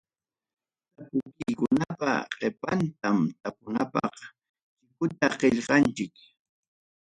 Tapukuykunapa qipantam tapunapaq chikuta qillqanchik.